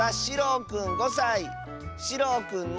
しろうくんの。